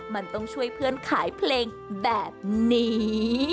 มันต้องช่วยเพื่อนขายเพลงแบบนี้